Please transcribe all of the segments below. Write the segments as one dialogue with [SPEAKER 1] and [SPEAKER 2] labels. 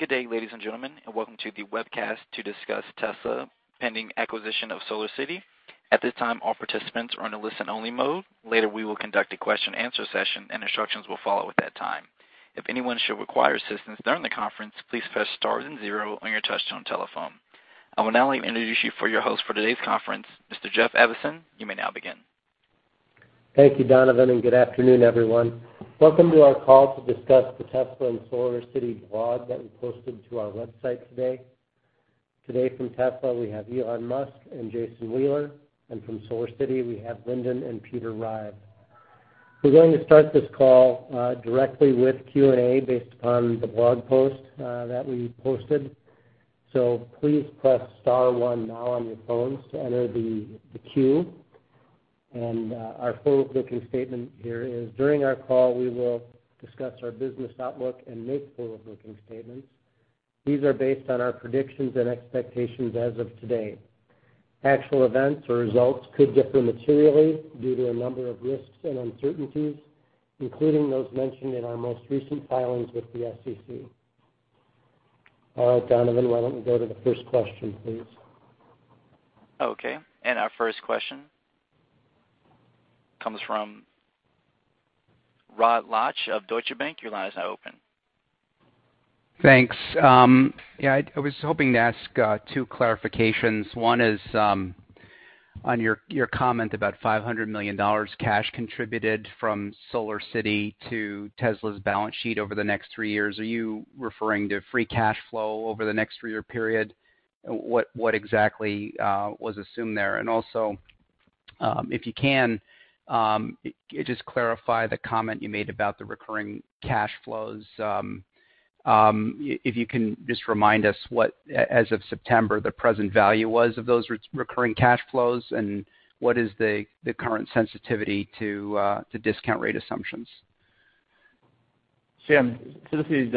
[SPEAKER 1] Good day, ladies and gentlemen, and welcome to the webcast to discuss Tesla pending acquisition of SolarCity. At this time all participants are in a listen-only mode then later we will conduct a question and answer session and instructions will follow at that time. If anyone should require assistance during the conferrence please press star then zero on your touchtonr telephone. Mr. Jeff Evanson, you may now begin.
[SPEAKER 2] Thank you, Donovan, and good afternoon, everyone. Welcome to our call to discuss the Tesla and SolarCity blog that we posted to our website today. Today from Tesla, we have Elon Musk and Jason Wheeler, and from SolarCity, we have Lyndon and Peter Rive. We're going to start this call directly with Q&A based upon the blog post that we posted. Please press star one now on your phones to enter the queue. Our forward-looking statement here is during our call, we will discuss our business outlook and make forward-looking statements. These are based on our predictions and expectations as of today. Actual events or results could differ materially due to a number of risks and uncertainties, including those mentioned in our most recent filings with the SEC. All right, Donovan, why don't we go to the first question, please?
[SPEAKER 1] Okay, our first question comes from Rod Lache of Deutsche Bank. Your line is now open.
[SPEAKER 3] Thanks. Yeah, I was hoping to ask two clarifications. One is on your comment about $500 million cash contributed from SolarCity to Tesla's balance sheet over the next three years. Are you referring to free cash flow over the next three-year period? What exactly was assumed there? Also, if you can just clarify the comment you made about the recurring cash flows. If you can just remind us what as of September, the present value was of those recurring cash flows and what is the current sensitivity to discount rate assumptions.
[SPEAKER 4] Sure. This is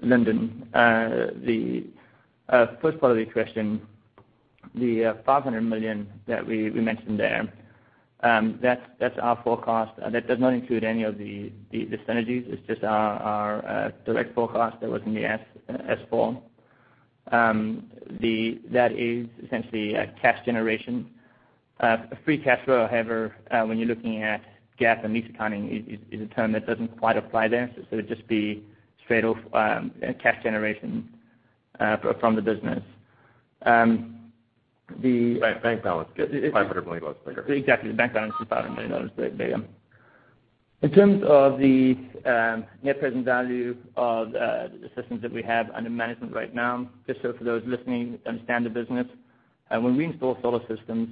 [SPEAKER 4] Lyndon. The first part of your question, the $500 million that we mentioned there, that's our forecast. That does not include any of the synergies. It's just our direct forecast that was in the S-4. That is essentially a cash generation. Free cash flow, however, when you're looking at GAAP and lease accounting is a term that doesn't quite apply there. It'd just be straight off cash generation from the business.
[SPEAKER 5] Bank, bank balance, $500 million was bigger.
[SPEAKER 4] Exactly. The bank balance was $500 million bigger. In terms of the net present value of the systems that we have under management right now, just so for those listening understand the business, when we install solar systems,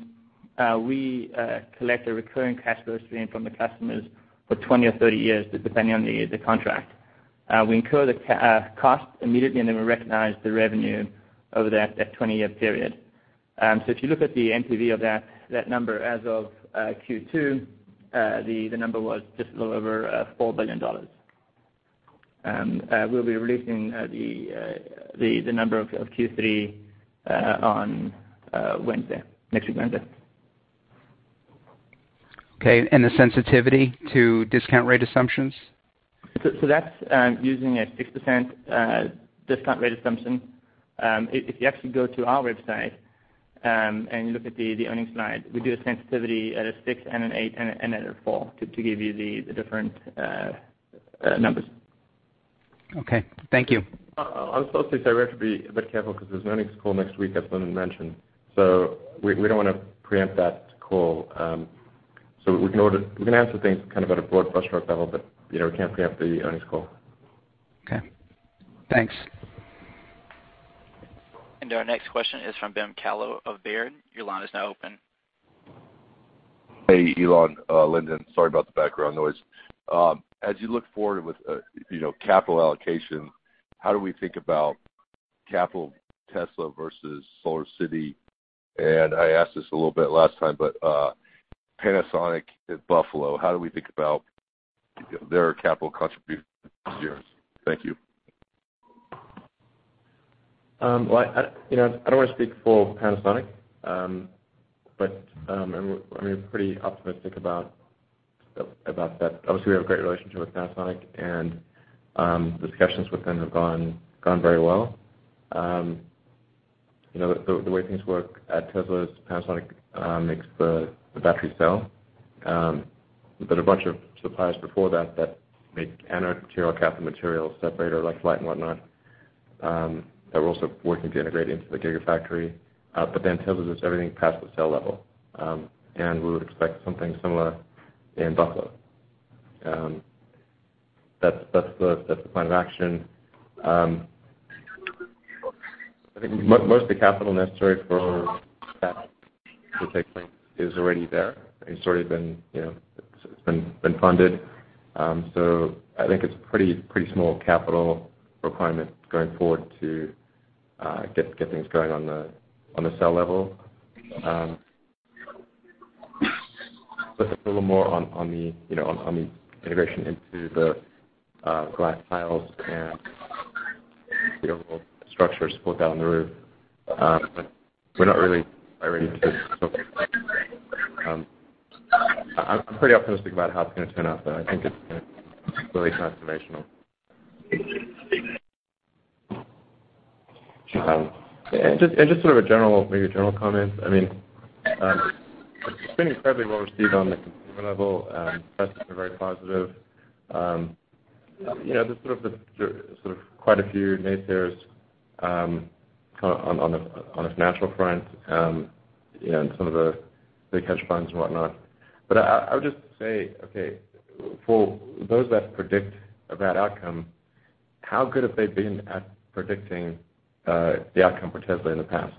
[SPEAKER 4] we collect a recurring cash flow stream from the customers for 20 or 30 years, depending on the contract. We incur the cost immediately, and then we recognize the revenue over that 20-year period. If you look at the NPV of that number as of Q2, the number was just a little over $4 billion. We'll be releasing the number of Q3 on Wednesday, next week Wednesday.
[SPEAKER 3] Okay, the sensitivity to discount rate assumptions?
[SPEAKER 4] That's using a 6% discount rate assumption. If you actually go to our website, look at the earnings slide, we do a sensitivity at a 6% and an 8% and at a 4% to give you the different numbers.
[SPEAKER 3] Okay. Thank you.
[SPEAKER 5] I was supposed to say we have to be a bit careful because there's an earnings call next week, as Lyndon mentioned. We don't wanna preempt that call. We can answer things kind of at a broad brushstroke level, but, you know, we can't preempt the earnings call.
[SPEAKER 3] Okay. Thanks.
[SPEAKER 1] Our next question is from Ben Kallo of Baird. Your line is now open.
[SPEAKER 6] Hey, Elon, Lyndon. Sorry about the background noise. As you look forward with, you know, capital allocation, how do we think about capital Tesla versus SolarCity? I asked this a little bit last time, but Panasonic at Buffalo, how do we think about their capital contribution this year? Thank you.
[SPEAKER 5] I, you know, I don't wanna speak for Panasonic. We're, I mean, pretty optimistic about that. Obviously, we have a great relationship with Panasonic, and discussions with them have gone very well. You know, the way things work at Tesla is Panasonic makes the battery cell. We've got a bunch of suppliers before that that make anode material, cathode materials, separator electrolyte and whatnot, that we're also working to integrate into the Gigafactory. Tesla does everything past the cell level. We would expect something similar in Buffalo. That's the plan of action. I think most of the capital necessary for that to take place is already there. It's already been, you know, it's been funded. I think it's pretty small capital requirement going forward to get things going on the cell level. A little more on the, you know, on the integration into the glass tiles and the overall structure support on the roof. I really can't talk. I'm pretty optimistic about how it's going to turn out. I think it's going to be really transformational. Just sort of a general, maybe a general comment. I mean, it's been incredibly well received on the consumer level, press has been very positive. You know, there's sort of quite a few naysayers, kind of on a financial front, you know, some of the big hedge funds and whatnot. I would just say, okay, for those that predict a bad outcome, how good have they been at predicting the outcome for Tesla in the past?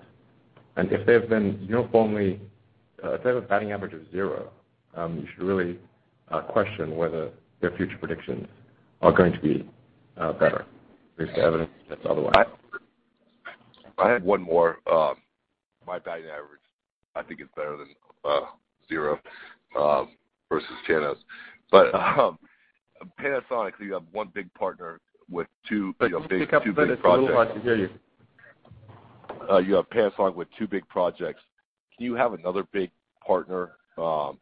[SPEAKER 5] If they've been uniformly, if they have a batting average of zero, you should really question whether their future predictions are going to be better based on evidence that's otherwise.
[SPEAKER 6] I had one more, my batting average, I think it's better than 0 versus Chanos's. Panasonic, you have one big partner with you know, two big projects.
[SPEAKER 5] Speak up a little bit. It's a little hard to hear you.
[SPEAKER 6] You have Panasonic with two big projects. Do you have another big partner, how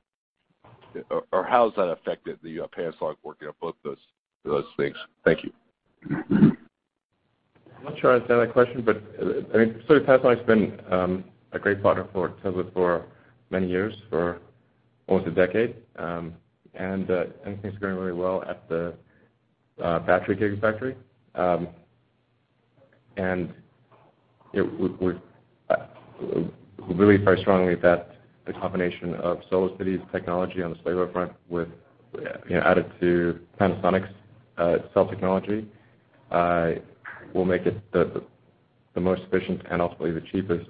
[SPEAKER 6] has that affected that you have Panasonic working on both those things? Thank you.
[SPEAKER 5] I'm not sure I understand that question, but I mean, certainly Panasonic's been a great partner for Tesla for many years, for almost a decade. Things are going really well at the battery Gigafactory. We believe very strongly that the combination of SolarCity's technology on the solar front with, you know, added to Panasonic's cell technology will make it the most efficient and ultimately the cheapest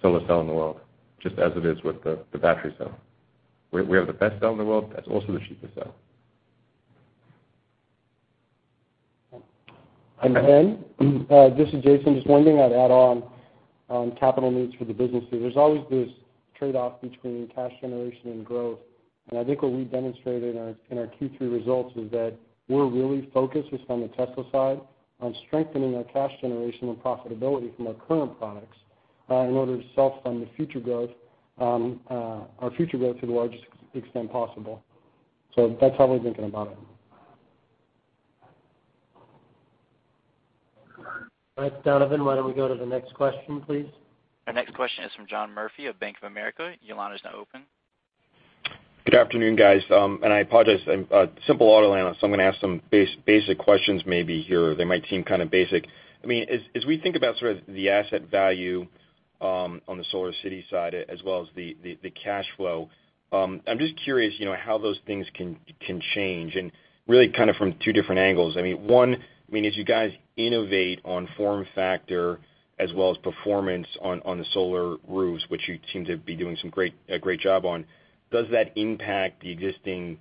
[SPEAKER 5] solar cell in the world, just as it is with the battery cell. We have the best cell in the world that's also the cheapest cell.
[SPEAKER 7] Ben, this is Jason. Just one thing I'd add on capital needs for the business is there's always this trade-off between cash generation and growth. I think what we demonstrated in our Q3 results is that we're really focused just on the Tesla side on strengthening our cash generation and profitability from our current products in order to self-fund the future growth, our future growth to the largest extent possible. That's how we're thinking about it.
[SPEAKER 2] All right. Donovan, why don't we go to the next question, please?
[SPEAKER 1] Our next question is from John Murphy of Bank of America. Your line is now open.
[SPEAKER 8] Good afternoon, guys. I apologize. I'm a simple Auto Analyst, so I'm going to ask some basic questions maybe here. They might seem kind of basic. I mean, as we think about sort of the asset value on the SolarCity side as well as the cash flow, I'm just curious, you know, how those things can change and really kind of from two different angles. I mean, one, as you guys innovate on form factor as well as performance on the Solar Roofs, which you seem to be doing a great job on, does that impact the existing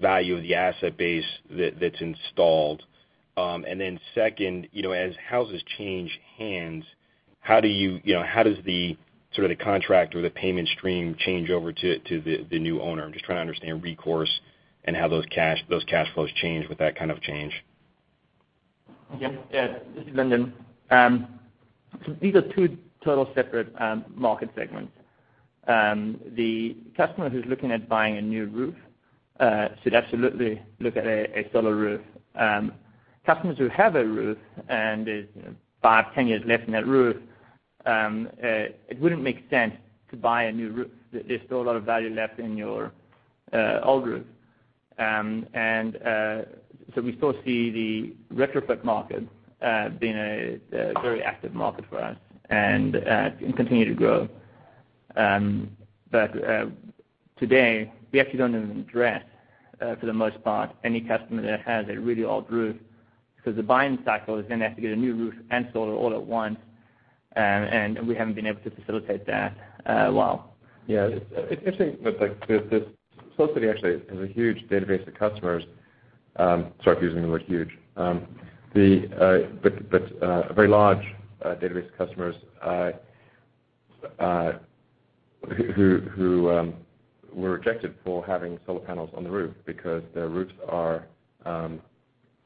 [SPEAKER 8] value of the asset base that's installed? Second, you know, as houses change hands, how do you know, how does the sort of the contract or the payment stream change over to the new owner? I'm just trying to understand recourse and how those cash flows change with that kind of change.
[SPEAKER 4] Yeah. Yeah, this is Lyndon. These are two total separate market segments. The customer who's looking at buying a new roof should absolutely look at a Solar Roof. Customers who have a roof and there's five, ten years left in that roof, it wouldn't make sense to buy a new roof. There's still a lot of value left in your old roof. We still see the retrofit market being a very active market for us and continue to grow. Today, we actually don't even address for the most part, any customer that has a really old roof because the buying cycle is then they have to get a new roof and solar all at once, and we haven't been able to facilitate that well.
[SPEAKER 5] Yeah. It's interesting, but like SolarCity actually has a huge database of customers, sorry for using the word huge. But a very large database of customers who were rejected for having solar panels on the roof because their roofs are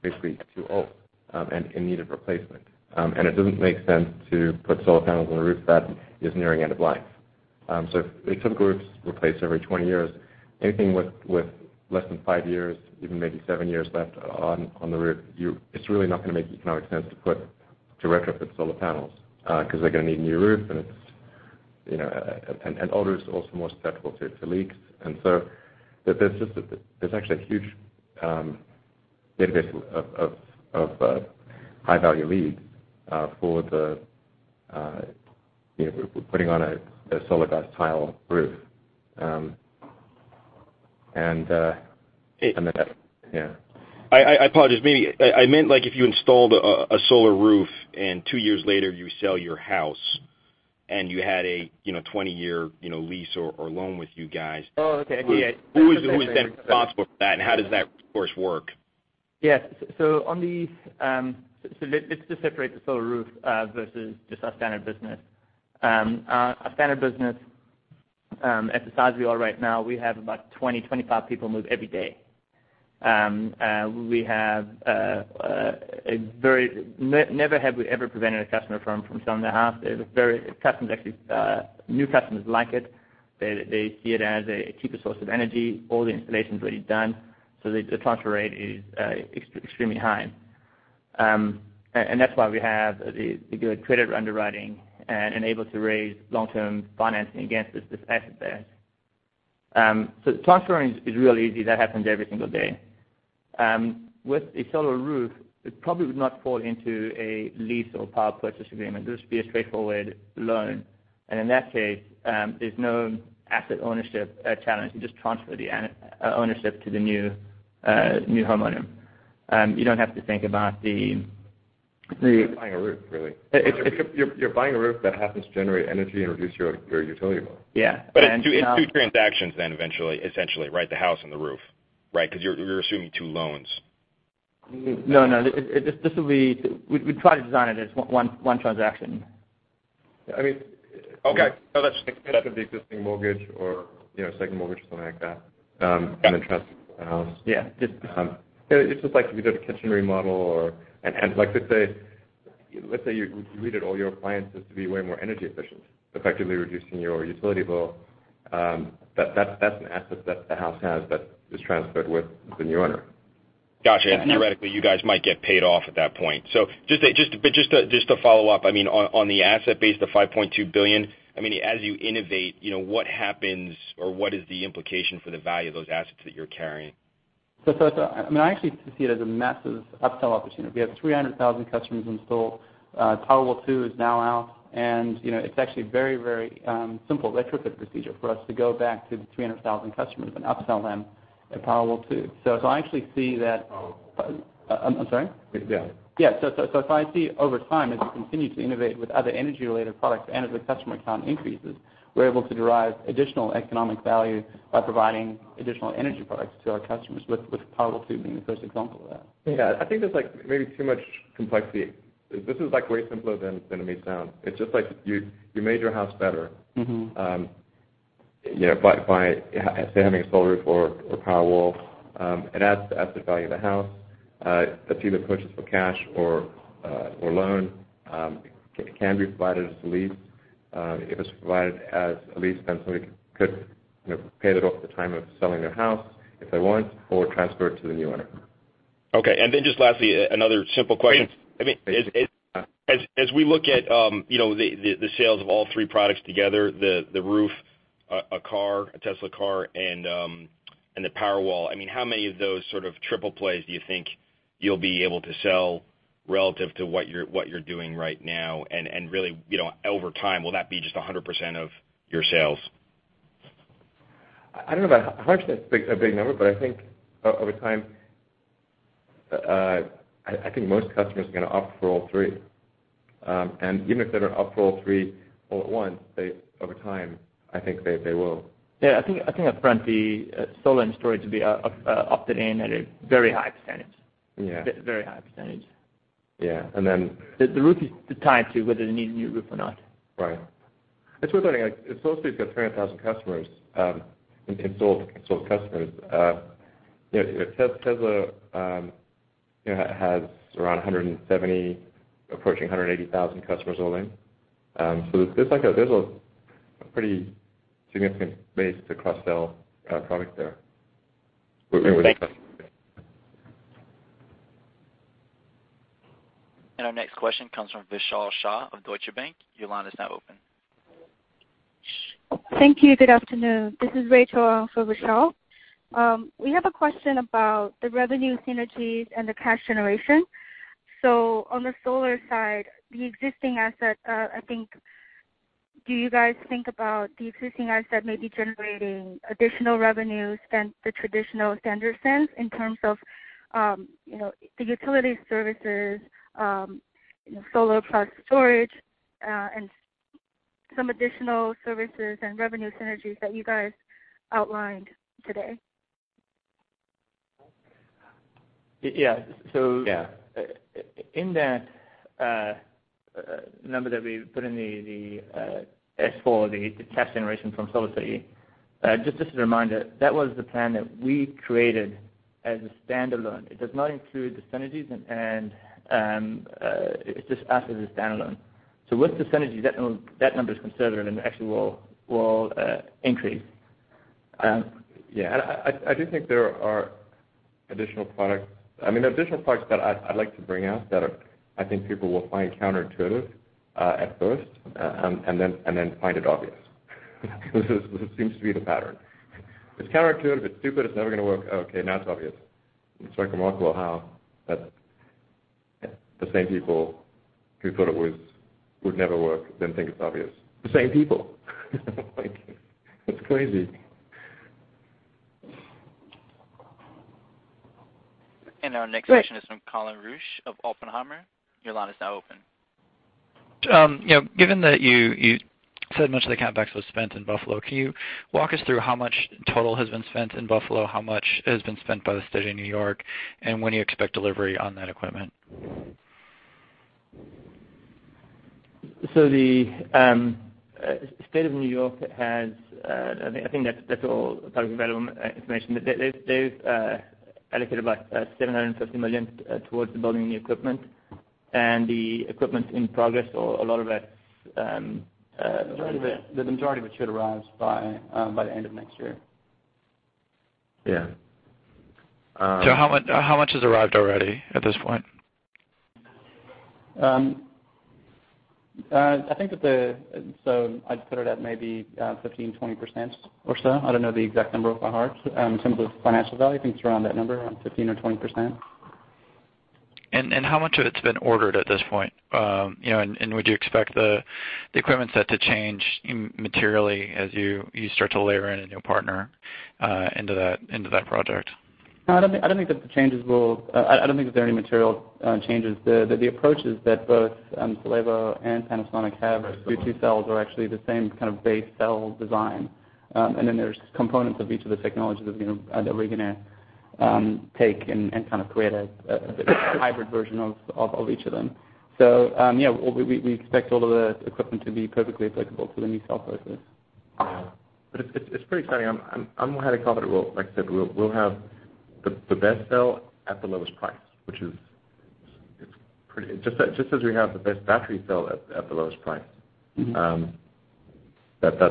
[SPEAKER 5] basically too old and in need of replacement. It doesn't make sense to put solar panels on a roof that is nearing end of life. If they typically replace every 20 years, anything with less than five years, even maybe seven years left on the roof, it's really not gonna make economic sense to retrofit solar panels, 'cause they're gonna need a new roof and it's, you know, an older roof's also more susceptible to leaks. There's actually a huge database of high-value leads for the, you know, putting on a solar glass tile roof.
[SPEAKER 8] I apologize. Maybe I meant like if you installed a Solar Roof and two years later you sell your house and you had a, you know, 20-year, you know, lease or loan with you guys.
[SPEAKER 4] Oh, okay. Yeah.
[SPEAKER 8] who is then responsible for that and how does that recourse work?
[SPEAKER 4] Yes. Let's just separate the Solar Roof versus just our standard business. Our standard business. At the size we are right now, we have about 20, 25 people move every day. We have never have we ever prevented a customer from selling their house. Customers actually, new customers like it. They see it as a cheaper source of energy. All the installation's already done, so the transfer rate is extremely high. And that's why we have the good credit underwriting and enabled to raise long-term financing against this asset there. Transferring is real easy. That happens every single day. With a Solar Roof, it probably would not fall into a lease or power purchase agreement. It would just be a straightforward loan. In that case, there's no asset ownership challenge. You just transfer the ownership to the new homeowner. You don't have to think about the.
[SPEAKER 5] You're buying a roof, really.
[SPEAKER 4] It, it-
[SPEAKER 5] You're buying a roof that happens to generate energy and reduce your utility bill.
[SPEAKER 4] Yeah.
[SPEAKER 8] It's two transactions then eventually, essentially, right? The house and the roof, right? 'Cause you're assuming two loans.
[SPEAKER 4] No, no. We try to design it as one transaction.
[SPEAKER 5] I mean-
[SPEAKER 8] Okay.
[SPEAKER 5] That's the existing mortgage or, you know, second mortgage or something like that, and then transfer to the new house.
[SPEAKER 4] Yeah. Just,
[SPEAKER 5] It's just like if you did a kitchen remodel or like, let's say you redid all your appliances to be way more energy efficient, effectively reducing your utility bill, that's an asset that the house has that is transferred with the new owner.
[SPEAKER 8] Gotcha. Theoretically, you guys might get paid off at that point. Just to, but just to, just to follow up, I mean, on the asset base, the $5.2 billion, I mean, as you innovate, you know, what happens or what is the implication for the value of those assets that you're carrying?
[SPEAKER 4] It's, I mean, I actually see it as a massive upsell opportunity. We have 300,000 customers installed. Powerwall 2 is now out, and, you know, it's actually very simple retrofit procedure for us to go back to the 300,000 customers and upsell them the Powerwall 2. I actually see that-
[SPEAKER 5] Value.
[SPEAKER 4] I'm sorry?
[SPEAKER 5] Value.
[SPEAKER 4] Yeah. If I see over time, as we continue to innovate with other energy-related products and as the customer count increases, we're able to derive additional economic value by providing additional energy products to our customers with Powerwall 2 being the first example of that.
[SPEAKER 5] Yeah. I think there's, like, maybe too much complexity. This is, like, way simpler than it may sound. It's just like you made your house better. you know, by, say, having a Solar Roof or Powerwall. It adds to the asset value of the house, that's either purchased for cash or loan. It can be provided as a lease. If it's provided as a lease, then somebody could, you know, pay that off at the time of selling their house if they want or transfer it to the new owner.
[SPEAKER 8] Okay. Then just lastly, another simple question.
[SPEAKER 5] Please.
[SPEAKER 8] I mean, as we look at, you know, the sales of all three products together, the roof, a car, a Tesla car, and the Powerwall, I mean, how many of those sort of triple plays do you think you'll be able to sell relative to what you're doing right now? Really, you know, over time, will that be just 100% of your sales?
[SPEAKER 5] I don't know about Hard to say a big number, but I think over time, I think most customers are gonna opt for all three. Even if they don't opt for all three all at once, they, over time, I think they will.
[SPEAKER 4] Yeah. I think upfront the solar and storage will be opted in at a very high percentage.
[SPEAKER 5] Yeah.
[SPEAKER 4] Very high percentage.
[SPEAKER 5] Yeah.
[SPEAKER 4] The roof is tied to whether they need a new roof or not.
[SPEAKER 5] Right. It's worth noting, like, SolarCity's got 300,000 customers. You know, Tesla, you know, has around 170, approaching 180,000 customers all in. There's like a, there's a pretty significant base to cross-sell our products there with the customers.
[SPEAKER 4] Yeah.
[SPEAKER 1] Our next question comes from Vishal Shah of Deutsche Bank. Your line is now open.
[SPEAKER 9] Thank you. Good afternoon. This is Rachel for Vishal. We have a question about the revenue synergies and the cash generation. On the solar side, the existing asset, I think, do you guys think about the existing asset maybe generating additional revenues than the traditional standard sense in terms of, you know, the utility services, you know, solar plus storage, and some additional services and revenue synergies that you guys outlined today?
[SPEAKER 4] Yeah.
[SPEAKER 5] Yeah
[SPEAKER 4] in the number that we put in the S-4, the cash generation from SolarCity, just as a reminder, that was the plan that we created as a standalone. It does not include the synergies and, it's just asset as a standalone. With the synergies, that number is conservative and actually will increase.
[SPEAKER 5] Yeah. I do think there are additional products. I mean, there are additional products that I'd like to bring out that are, I think people will find counterintuitive at first, and then find it obvious. This seems to be the pattern. It's counterintuitive. It's stupid. It's never gonna work. Okay, now it's obvious. It's remarkable how that the same people who thought it would never work then think it's obvious. The same people. Like, it's crazy.
[SPEAKER 1] Our next question is from Colin Rusch of Oppenheimer. Your line is now open.
[SPEAKER 10] You know, given that you said much of the CapEx was spent in Buffalo, can you walk us through how much in total has been spent in Buffalo, how much has been spent by the state of New York, and when do you expect delivery on that equipment?
[SPEAKER 11] The state of New York has, I think, that's all public available information. They've allocated about $750 million towards the building and the equipment. The equipment's in progress or a lot of it.
[SPEAKER 5] The majority of it.
[SPEAKER 11] The majority of it should arrive by the end of next year.
[SPEAKER 5] Yeah.
[SPEAKER 10] How much has arrived already at this point?
[SPEAKER 11] I'd put it at maybe 15%, 20% or so. I don't know the exact number off by heart. In terms of financial value, I think it's around that number, around 15% or 20%.
[SPEAKER 10] How much of it's been ordered at this point? You know, would you expect the equipment set to change materially as you start to layer in a new partner into that project?
[SPEAKER 11] No, I don't think that there are any material changes. The approach is that both Silevo and Panasonic.
[SPEAKER 5] Are similar.
[SPEAKER 11] two cells are actually the same kind of base cell design. Then there's components of each of the technologies that, you know, that we're gonna take and kind of create a hybrid version of each of them. Yeah, we expect all of the equipment to be perfectly applicable to the new cell process.
[SPEAKER 5] It's pretty exciting. I'm highly confident like I said, we'll have the best cell at the lowest price. Just as we have the best battery cell at the lowest price. We have the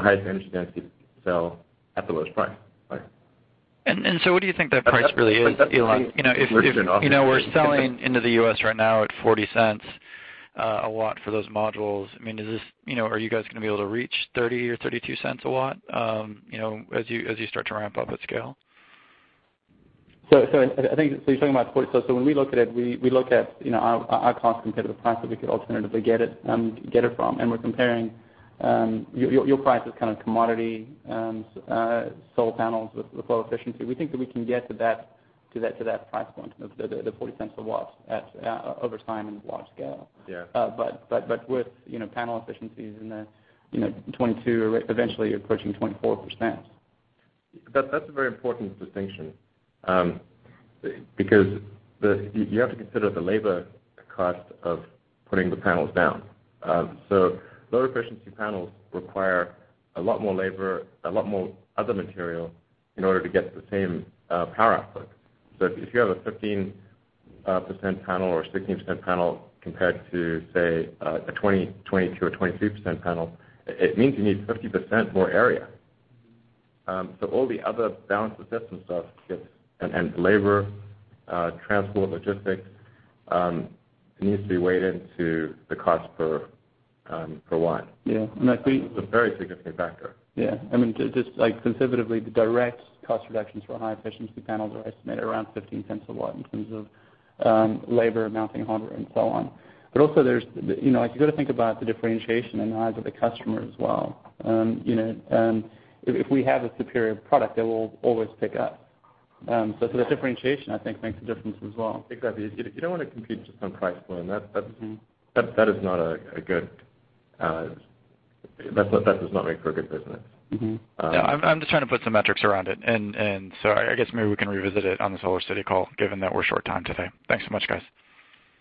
[SPEAKER 5] highest energy density cell at the lowest price. Sorry.
[SPEAKER 10] What do you think that price really is, Elon? You know.
[SPEAKER 5] That's the-
[SPEAKER 10] You know, we're selling into the U.S. right now at $0.40 a watt for those modules. I mean, You know, are you guys gonna be able to reach $0.30 or $0.32 a watt, you know, as you start to ramp up at scale?
[SPEAKER 11] I think you're talking about 40. When we look at it, we look at, you know, our cost compared to the price that we could alternatively get it from. We're comparing your price is kind of commodity solar panels with low efficiency. We think that we can get to that price point of the $0.40 a watt over time and large scale.
[SPEAKER 5] Yeah.
[SPEAKER 11] With, you know, panel efficiencies in the, you know, 22% or eventually approaching 24%.
[SPEAKER 5] That's a very important distinction, because you have to consider the labor cost of putting the panels down. Lower efficiency panels require a lot more labor, a lot more other material in order to get the same power output. If you have a 15% panel or a 16% panel compared to, say, a 20%, 22% or a 23% panel, it means you need 50% more area. All the other balance of system stuff gets labor, transport, logistics, needs to be weighed into the cost per watt.
[SPEAKER 11] Yeah.
[SPEAKER 5] It's a very significant factor.
[SPEAKER 11] Yeah. I mean, just, like, conservatively, the direct cost reductions for high efficiency panels are estimated around $0.15 a watt in terms of labor, mounting hardware and so on. Also there's, you know, like, you've got to think about the differentiation in the eyes of the customer as well. You know, if we have a superior product, they will always pick up. So the differentiation, I think, makes a difference as well.
[SPEAKER 5] Exactly. You don't want to compete just on price alone. That does not make for a good business.
[SPEAKER 10] Yeah. I'm just trying to put some metrics around it. I guess maybe we can revisit it on the SolarCity call, given that we're short on time today. Thanks so much, guys.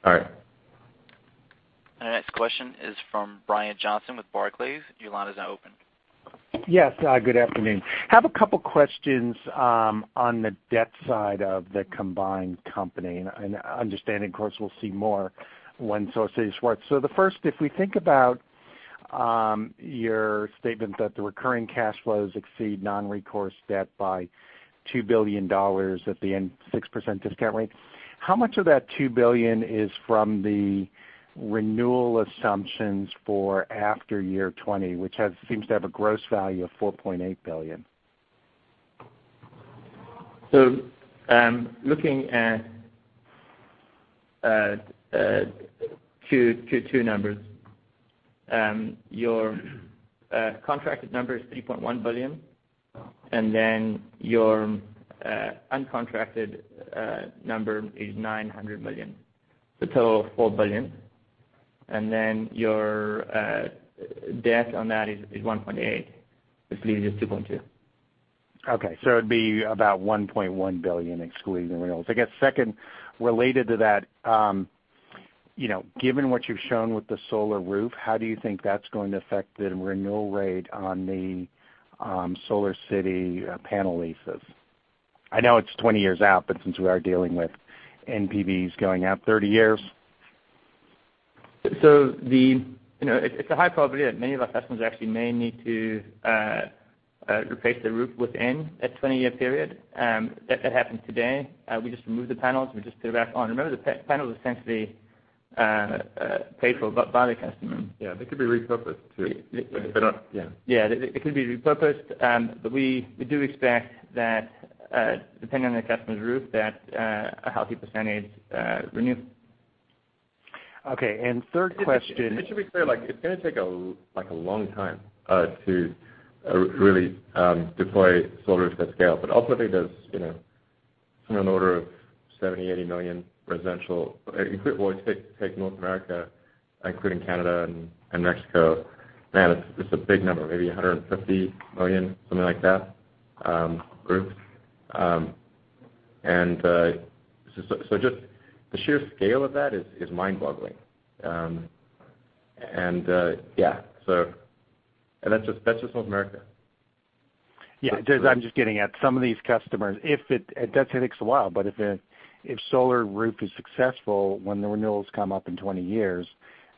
[SPEAKER 5] All right.
[SPEAKER 1] Our next question is from Brian Johnson with Barclays. Your line is open.
[SPEAKER 12] Yes. Good afternoon. Have a couple questions on the debt side of the combined company. Understanding, of course, we'll see more when SolarCity's worth. The first, if we think about your statement that the recurring cash flows exceed non-recourse debt by $2 billion at the end 6% discount rate, how much of that $2 billion is from the renewal assumptions for after year 2020, which seems to have a gross value of $4.8 billion?
[SPEAKER 4] Looking at two numbers. Your contracted number is $3.1 billion. Your uncontracted number is $900 million. A total of $4 billion. Your debt on that is $1.8 billion, which leaves you with $2.2 billion.
[SPEAKER 12] Okay. It'd be about $1.1 billion excluding renewals. I guess, second, related to that, you know, given what you've shown with the Solar Roof, how do you think that's going to affect the renewal rate on the SolarCity panel leases? I know it's 20 years out, but since we are dealing with NPVs going out 30 years.
[SPEAKER 4] You know, it's a high probability that many of our customers actually may need to replace the roof within a 20-year period. If that happened today, we just remove the panels, we just put it back on. Remember, the panel is essentially paid for by the customer.
[SPEAKER 5] Yeah. They could be repurposed too.
[SPEAKER 11] Yeah.
[SPEAKER 5] Yeah.
[SPEAKER 11] Yeah. They could be repurposed. We do expect that, depending on the customer's roof, a healthy percentage renew.
[SPEAKER 12] Okay. third question.
[SPEAKER 5] Just to be clear, like, it's going to take a long time to really deploy Solar Roof at scale. Also, I think there's, you know, on the order of 70, 80 million residential. Well, take North America, including Canada and Mexico. Man, it's a big number. Maybe 150 million, something like that, roof. So just the sheer scale of that is mind-boggling. Yeah, so that's just North America.
[SPEAKER 12] Yeah. I'm just getting at some of these customers, it does take us a while, if Solar Roof is successful when the renewals come up in 20 years,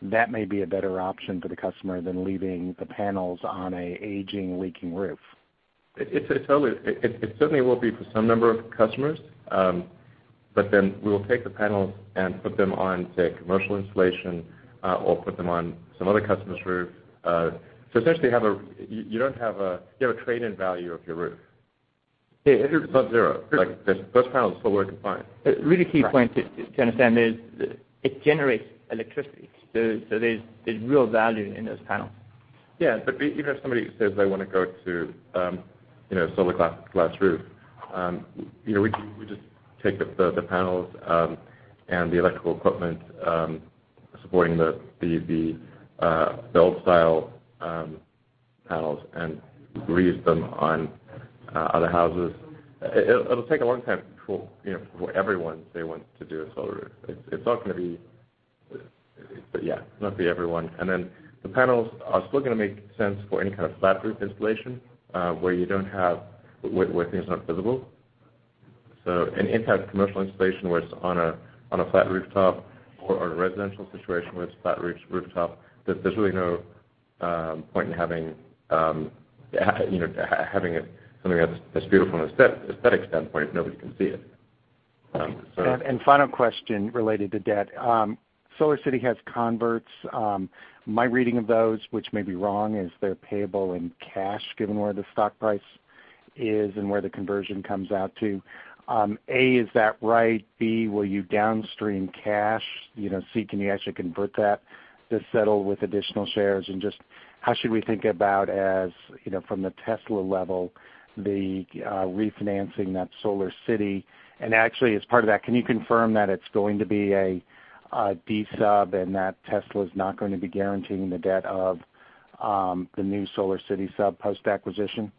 [SPEAKER 12] that may be a better option for the customer than leaving the panels on a aging, leaking roof.
[SPEAKER 5] It certainly will be for some number of customers. We will take the panels and put them on, say, a commercial installation or put them on some other customer's roof. Essentially have a trade-in value of your roof. It's not zero. Like, those panels still work fine.
[SPEAKER 4] A really key point to understand is it generates electricity. There's real value in those panels.
[SPEAKER 5] Yeah, even if somebody says they wanna go to, you know, solar glass roof, you know, we just take the panels and the electrical equipment supporting the build style panels and reuse them on other houses. It'll take a long time before, you know, before everyone, say, wants to do a Solar Roof. It's not gonna be everyone. The panels are still gonna make sense for any kind of flat roof installation, where things aren't visible. An intact commercial installation where it's on a flat rooftop or a residential situation where it's a flat rooftop, there's really no point in you know, having something that's as beautiful from an aesthetics standpoint if nobody can see it.
[SPEAKER 12] Final question related to debt. SolarCity has converts. My reading of those, which may be wrong, is they're payable in cash given where the stock price is and where the conversion comes out to. A, is that right? B, will you downstream cash, you know? C, can you actually convert that to settle with additional shares? Just how should we think about as, you know, from the Tesla level, the refinancing that SolarCity and actually, as part of that, can you confirm that it's going to be a de-sub and that Tesla's not going to be guaranteeing the debt of the new SolarCity sub post-acquisition?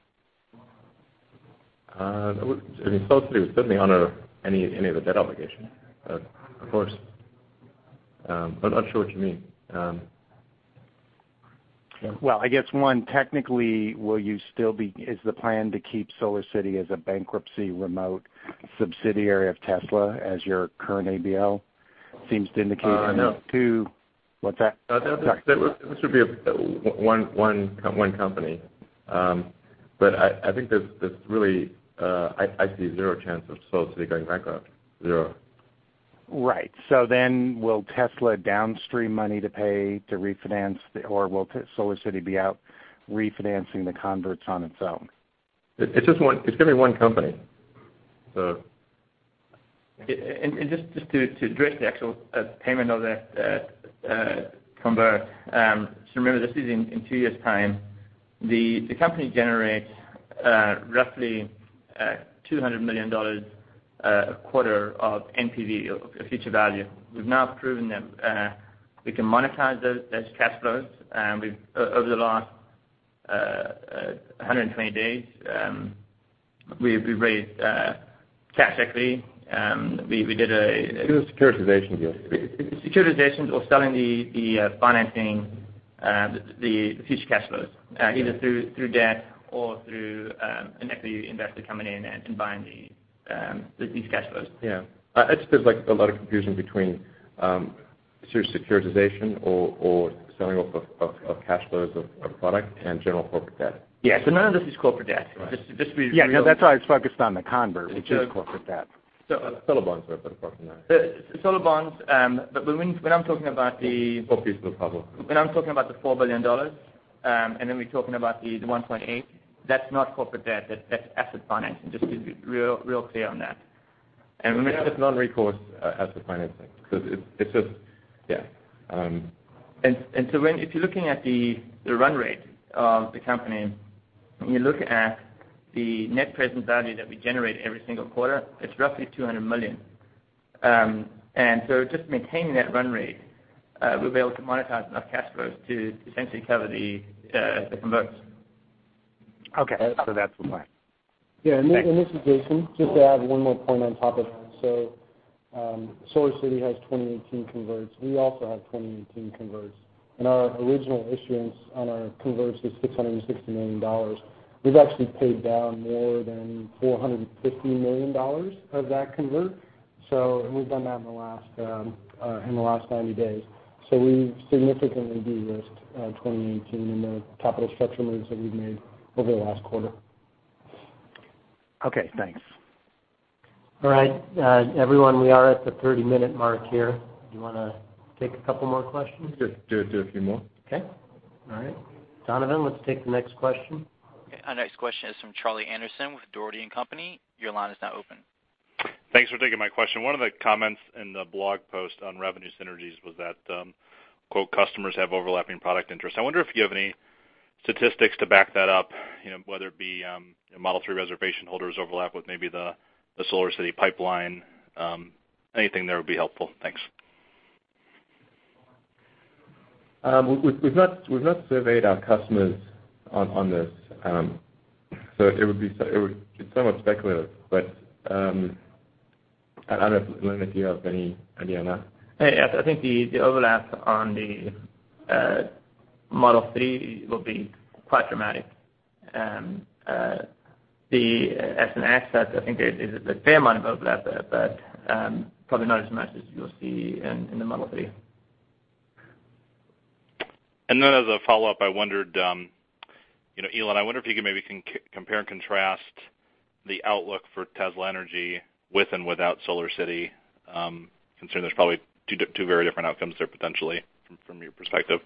[SPEAKER 5] I mean, SolarCity would certainly honor any of the debt obligations, of course. I'm not sure what you mean.
[SPEAKER 12] Well, I guess, one, technically, is the plan to keep SolarCity as a bankruptcy remote subsidiary of Tesla as your current ABL seems to indicate?
[SPEAKER 5] No.
[SPEAKER 12] Two What's that?
[SPEAKER 5] This would be a one company. I think there's really, I see zero chance of SolarCity going bankrupt. Zero.
[SPEAKER 12] Right. Will Tesla downstream money to pay to refinance or will SolarCity be out refinancing the converts on its own?
[SPEAKER 5] It's going to be one company.
[SPEAKER 4] Just to address the actual payment of the convert, so remember this is in two years' time. The company generates roughly $200 million a quarter of NPV, of future value. We've now proven that we can monetize those cash flows, over the last 120 days, we raised cash equity.
[SPEAKER 5] We did a securitization deal.
[SPEAKER 4] securitizations or selling the financing, the future cash flows, either through debt or through an equity investor coming in and combining these cash flows.
[SPEAKER 5] It's just like a lot of confusion between sort of securitization or selling off of cash flows of product and general corporate debt.
[SPEAKER 4] Yeah. None of this is corporate debt.
[SPEAKER 5] Right.
[SPEAKER 4] Just to be real-
[SPEAKER 12] Yeah. No, that's why I was focused on the convert, which is corporate debt.
[SPEAKER 5] Solar Bonds are a bit apart from that.
[SPEAKER 4] The Solar Bonds.
[SPEAKER 5] For peaceful power.
[SPEAKER 4] when I'm talking about the $4 billion, we're talking about the $1.8, that's not corporate debt. That's, that's asset financing, just to be real clear on that.
[SPEAKER 5] That's non-recourse asset financing because it's just Yeah.
[SPEAKER 4] If you're looking at the run rate of the company, when you look at the NPV that we generate every single quarter, it's roughly $200 million. Just maintaining that run rate, we'll be able to monetize enough cash flows to essentially cover the converts.
[SPEAKER 12] Okay.
[SPEAKER 4] That's the plan.
[SPEAKER 12] Thanks.
[SPEAKER 7] Yeah. This is Jason. Just to add one more point on top of that. SolarCity has 2018 converts. We also have 2018 converts. Our original issuance on our converts was $660 million. We've actually paid down more than $450 million of that convert. We've done that in the last 90 days. We've significantly de-risked 2018 in the capital structure moves that we've made over the last quarter.
[SPEAKER 12] Okay, thanks.
[SPEAKER 2] All right. everyone, we are at the 30-minute mark here. Do you wanna take a couple more questions?
[SPEAKER 5] Let's do a few more.
[SPEAKER 2] Okay. All right. Donovan, let's take the next question.
[SPEAKER 1] Okay. Our next question is from Charlie Anderson with Dougherty & Company. Your line is now open.
[SPEAKER 13] Thanks for taking my question. One of the comments in the blog post on revenue synergies was that, quote, "Customers have overlapping product interests." I wonder if you have any statistics to back that up, you know, whether it be, you know, Model 3 reservation holders overlap with maybe the SolarCity pipeline, anything there would be helpful. Thanks.
[SPEAKER 5] We've not surveyed our customers on this. It's somewhat speculative. I don't know, Lyndon, if you have any idea or not.
[SPEAKER 4] Yeah, I think the overlap on the Model 3 will be quite dramatic. The S and X, that I think there is a fair amount of overlap there, probably not as much as you'll see in the Model 3.
[SPEAKER 13] As a follow-up, I wondered, you know, Elon, I wonder if you could maybe compare and contrast the outlook for Tesla Energy with and without SolarCity, considering there's probably two very different outcomes there potentially from your perspective.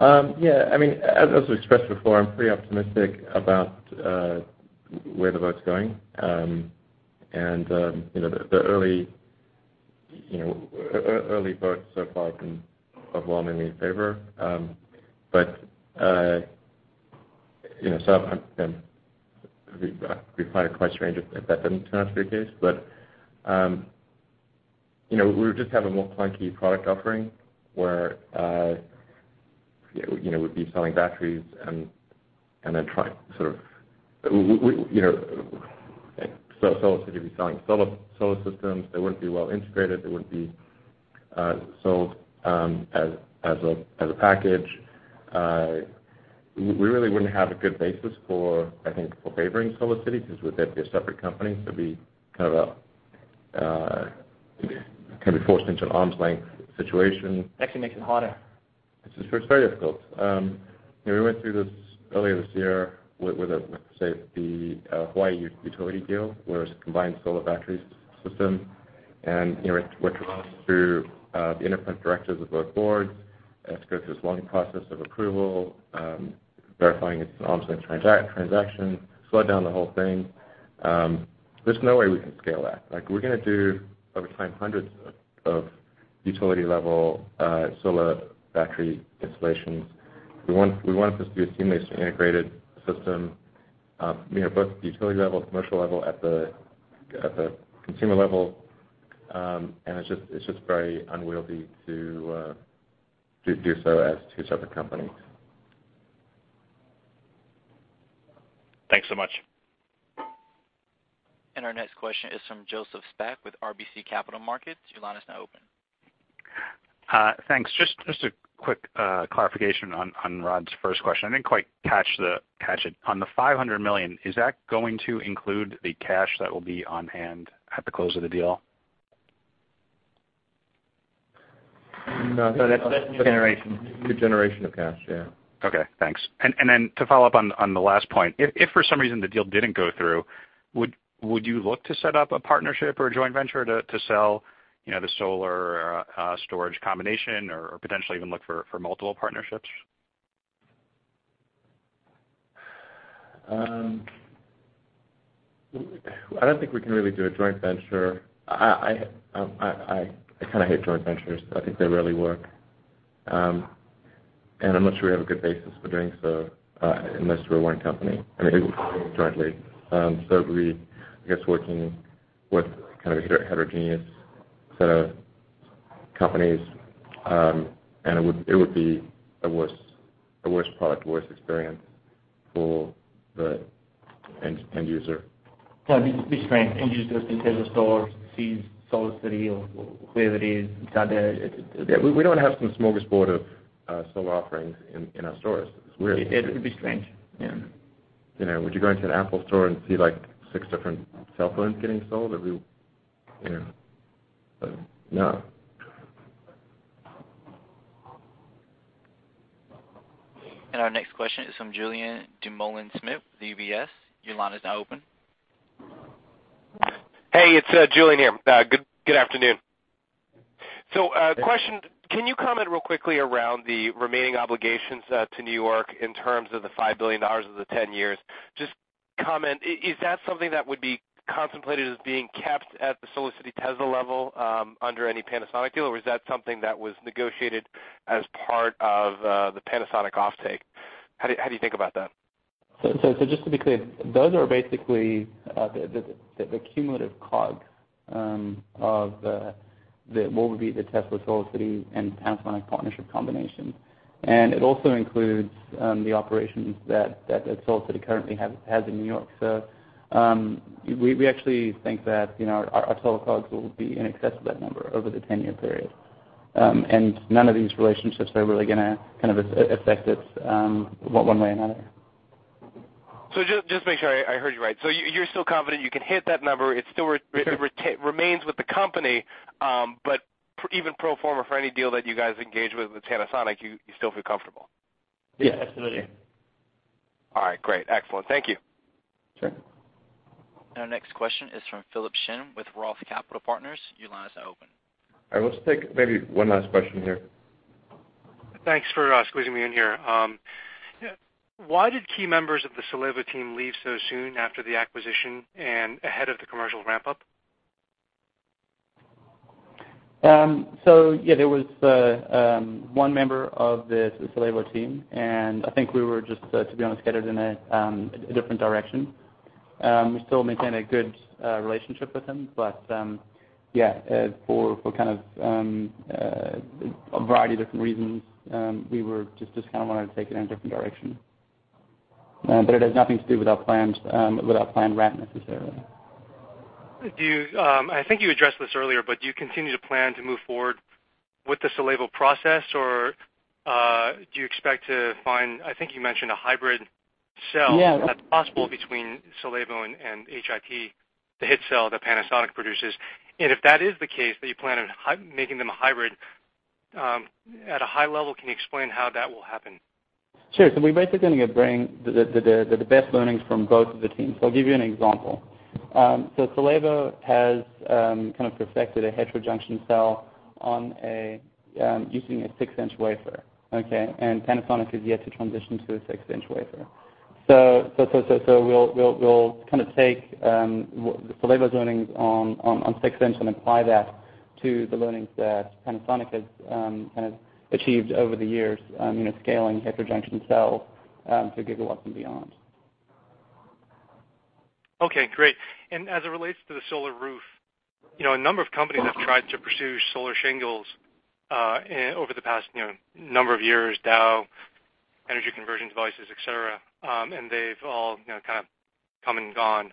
[SPEAKER 5] Yeah, I mean, as we expressed before, I'm pretty optimistic about where the vote's going. You know, the early, you know, early votes so far have been overwhelmingly in favor. You know, I'm, we'd find it quite strange if that doesn't turn out to be the case. You know, we would just have a more clunky product offering where, you know, we'd be selling batteries and then trying to sort of, we, you know SolarCity would be selling solar systems. They wouldn't be well integrated. They wouldn't be sold as a package. We really wouldn't have a good basis for, I think, for favoring SolarCity because they'd be a separate company. It'd kind of be forced into an arm's length situation.
[SPEAKER 11] Actually makes it harder.
[SPEAKER 5] It's just very difficult. You know, we went through this earlier this year with say the Hawaii utility deal, where it's combined solar batteries system. You know, it went through the independent directors of both boards. It had to go through this long process of approval, verifying it's an arm's length transaction. Slowed down the whole thing. There's no way we can scale that. Like, we're gonna do, over time, hundreds of utility-level solar battery installations. We want this to be a seamlessly integrated system, you know, both at the utility level, commercial level, at the consumer level. It's just very unwieldy to do so as two separate companies.
[SPEAKER 13] Thanks so much.
[SPEAKER 1] Our next question is from Joseph Spak with RBC Capital Markets. Your line is now open.
[SPEAKER 14] Thanks. Just a quick clarification on Rod's first question. I didn't quite catch it. On the $500 million, is that going to include the cash that will be on hand at the close of the deal?
[SPEAKER 5] No.
[SPEAKER 11] No, that's generation.
[SPEAKER 5] New generation of cash, yeah.
[SPEAKER 14] Okay, thanks. Then to follow up on the last point, if for some reason the deal didn't go through, would you look to set up a partnership or a joint venture to sell, you know, the solar storage combination or potentially even look for multiple partnerships?
[SPEAKER 5] I don't think we can really do a joint venture. I kinda hate joint ventures. I think they rarely work. I'm not sure we have a good basis for doing so, unless we're one company and it directly. It would be, I guess, working with kind of a heterogeneous set of companies. It would be a worse product, a worse experience for the end user.
[SPEAKER 11] No, it'd be strange. End users go into a Tesla store, see SolarCity or whoever it is, Cadillac.
[SPEAKER 5] Yeah, we don't have some smorgasbord of solar offerings in our stores. It's weird.
[SPEAKER 11] It would be strange, yeah.
[SPEAKER 5] You know, would you go into an Apple Store and see like six different cell phones getting sold? It'd be weird. Yeah.
[SPEAKER 1] Our next question is from Julien Dumoulin-Smith with UBS. Your line is now open.
[SPEAKER 15] Hey, it's Julien here. Good afternoon. Question, can you comment real quickly around the remaining obligations to New York in terms of the $5 billion over the 10 years? Just comment, is that something that would be contemplated as being kept at the SolarCity Tesla level under any Panasonic deal? Or is that something that was negotiated as part of the Panasonic offtake? How do you, how do you think about that?
[SPEAKER 11] Just to be clear, those are basically the cumulative COGS of what would be the Tesla, SolarCity, and Panasonic partnership combination. It also includes the operations that SolarCity currently have, has in New York. We actually think that, you know, our total COGS will be in excess of that number over the 10-year period. None of these relationships are really gonna kind of affect it one way or another.
[SPEAKER 15] Just to make sure I heard you right. You're still confident you can hit that number?
[SPEAKER 11] Sure
[SPEAKER 15] It remains with the company. Even pro forma for any deal that you guys engage with with Panasonic, you still feel comfortable?
[SPEAKER 11] Yeah, absolutely.
[SPEAKER 15] All right, great. Excellent. Thank you.
[SPEAKER 5] Sure.
[SPEAKER 1] Our next question is from Philip Shen with Roth Capital Partners. Your line is now open.
[SPEAKER 5] All right, let's take maybe one last question here.
[SPEAKER 16] Thanks for squeezing me in here. Why did key members of the SolarCity team leave so soon after the acquisition and ahead of the commercial ramp-up?
[SPEAKER 11] Yeah, there was one member of the SolarCity team, and I think we were just to be honest, headed in a different direction. We still maintain a good relationship with him, for kind of a variety of different reasons, we just kind of wanted to take it in a different direction. It has nothing to do with our plans, with our planned route necessarily.
[SPEAKER 16] I think you addressed this earlier, but do you continue to plan to move forward with the Silevo process? Do you expect to find I think you mentioned a hybrid cell-
[SPEAKER 11] Yeah
[SPEAKER 16] that's possible between Silevo and HIT, the HIT cell that Panasonic produces. If that is the case, that you plan on making them a hybrid, at a high level, can you explain how that will happen?
[SPEAKER 11] Sure. We're basically gonna bring the best learnings from both of the teams. I'll give you an example. Silevo has kind of perfected a heterojunction cell on a using a 6-inch wafer, okay? Panasonic is yet to transition to a 6-inch wafer. We'll kind of take Silevo's learnings on 6-inch and apply that to the learnings that Panasonic has kind of achieved over the years, you know, scaling heterojunction cells to gigawatts and beyond.
[SPEAKER 16] Okay, great. As it relates to the Solar Roof, you know, a number of companies have tried to pursue solar shingles over the past, you know, number of years, Dow, Energy Conversion Devices, et cetera, and they've all, you know, kind of come and gone.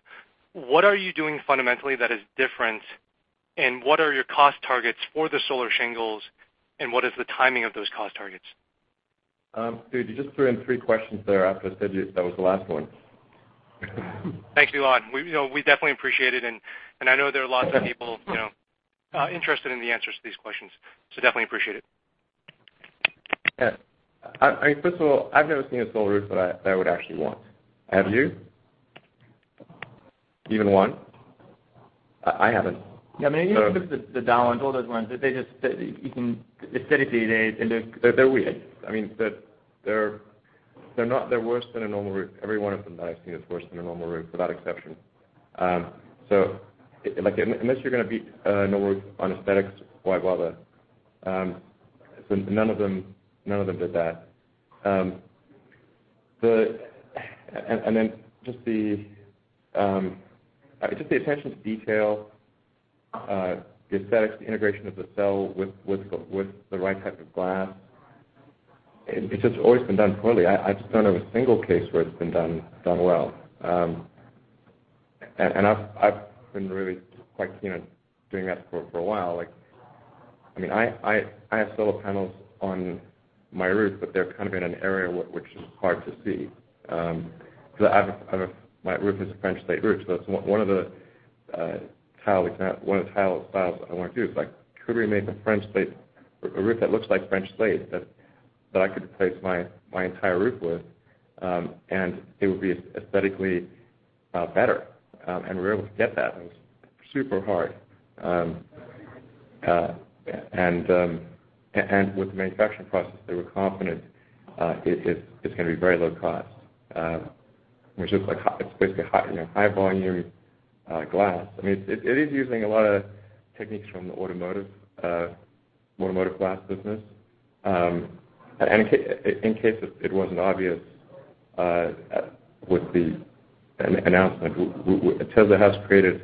[SPEAKER 16] What are you doing fundamentally that is different, and what are your cost targets for the solar shingles, and what is the timing of those cost targets?
[SPEAKER 5] dude, you just threw in three questions there after I said that was the last one.
[SPEAKER 16] Thank you a lot. We, you know, we definitely appreciate it, and I know there are lots of people, you know, interested in the answers to these questions, so definitely appreciate it.
[SPEAKER 5] Yeah. I mean, first of all, I've never seen a Solar Roof that I would actually want. Have you? Even one? I haven't.
[SPEAKER 4] Yeah, I mean, if you look at the Dow ones, all those ones, they just, they, you can aesthetically.
[SPEAKER 5] They're weird. I mean, they're worse than a normal roof. Every one of them that I've seen is worse than a normal roof, without exception. Unless you're gonna beat a normal roof on aesthetics, why bother? None of them did that. Just the attention to detail, the aesthetics, the integration of the cell with the right type of glass, it's just always been done poorly. I just don't know of a single case where it's been done well. I've been really quite keen on doing that for a while. I mean, I have solar panels on my roof, but they're kind of in an area which is hard to see. 'Cause I have a my roof is a French slate roof, so that's one of the tile styles I wanna do is, like, could we make a French slate a roof that looks like French slate that I could replace my entire roof with, and it would be aesthetically better, and we were able to get that, and it was super hard. With the manufacturing process, they were confident it's gonna be very low cost. Which is like high, it's basically high, you know, high volume glass. I mean, it is using a lot of techniques from the automotive automotive glass business. In case it wasn't obvious, with the announcement, Tesla has created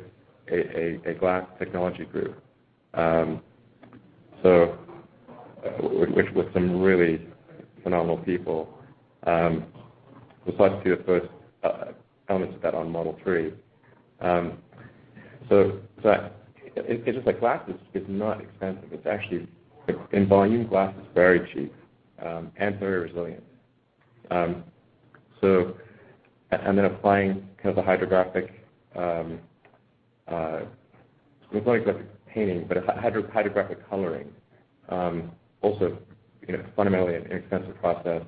[SPEAKER 5] a glass technology group. Which, with some really phenomenal people, we're supposed to see the first elements of that on Model 3. It's just like glass is not expensive. It's actually, in volume, glass is very cheap and very resilient. And then applying kind of the hydrographic, not exactly painting, but hydrographic coloring, also, you know, fundamentally an inexpensive process.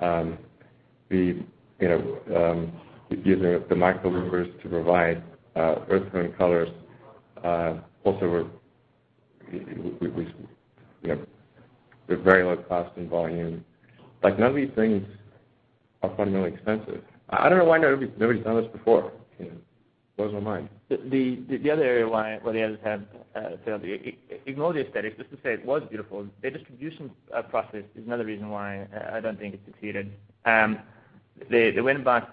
[SPEAKER 5] The, you know, using the microlouvers to provide earth tone colors, also we, you know, they're very low cost in volume. None of these things are fundamentally expensive. I don't know why nobody's done this before, you know. Blows my mind.
[SPEAKER 4] The other area why the others have said, Ignore the aesthetics. Just to say it was beautiful. The distribution process is another reason why I don't think it succeeded. They went about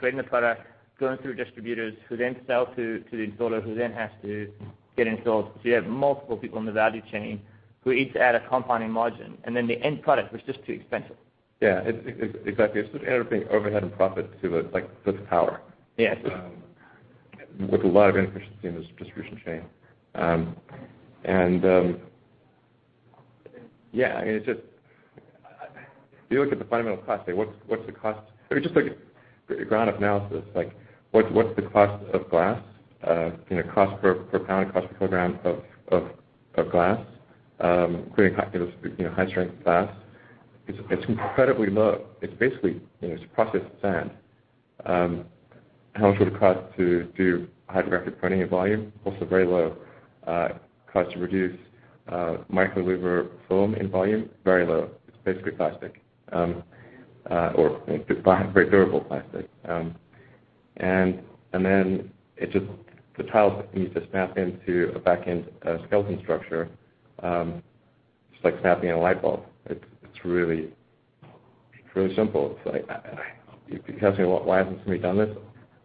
[SPEAKER 4] creating the product, going through distributors who then sell to the installer, who then has to get installed. You have multiple people in the value chain who each add a compounding margin, and then the end product was just too expensive.
[SPEAKER 5] Yeah. Exactly. It's just everything, overhead and profit to the, like, the power.
[SPEAKER 4] Yes.
[SPEAKER 5] With a lot of inefficiency in the distribution chain. I mean, it's just you look at the fundamental cost. Like, what's the cost? I mean, just like a ground up analysis, like what's the cost of glass? You know, cost per pound, cost per kilogram of, of glass, including high, you know, high strength glass. It's incredibly low. It's basically, you know, it's processed sand. How much would it cost to do hydrographic printing in volume? Also very low. Cost to reduce microlouver film in volume, very low. It's basically plastic, or very durable plastic. Then the tiles need to snap into a backend skeleton structure, just like snapping in a light bulb. It's really simple. It's like, if you ask me, well, why hasn't somebody done this?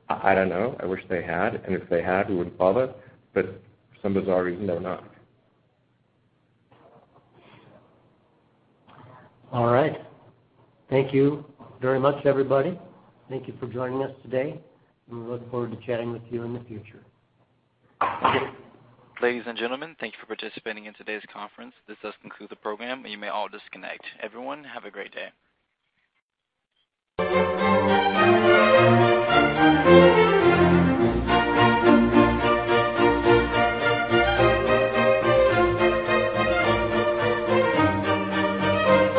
[SPEAKER 5] I don't know. I wish they had, and if they had, we wouldn't bother, but for some bizarre reason, they're not.
[SPEAKER 2] All right. Thank you very much, everybody. Thank you for joining us today, and we look forward to chatting with you in the future.
[SPEAKER 1] Ladies and gentlemen, thank you for participating in today's conference. This does conclude the program, and you may all disconnect. Everyone, have a great day.